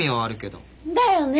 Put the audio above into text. だよね。